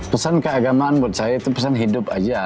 pesan keagamaan buat saya itu pesan hidup aja